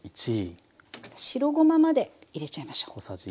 白ごままで入れちゃいましょう。